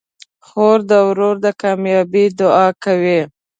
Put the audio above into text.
خور د ورور د کامیابۍ دعا کوي.